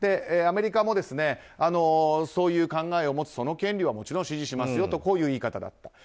アメリカもそういう考えを持つその権利はもちろん支持しますよという言い方だった。